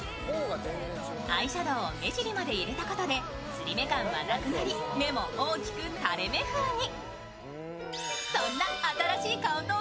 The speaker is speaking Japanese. アイシャドウを目尻まで入れたことでつり目感はなくなり目も大きくタレ目風に。